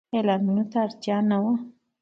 اعلانولو ته تیار نه وو.